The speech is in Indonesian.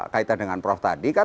kaitan dengan prof tadi kan